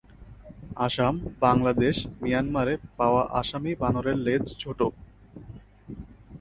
আসাম, বাংলাদেশ, মিয়ানমারে পাওয়া আসামি বানরের লেজ ছোট।